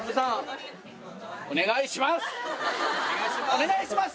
お願いします！